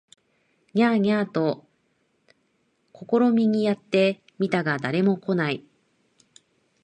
ニャー、ニャーと試みにやって見たが誰も来ない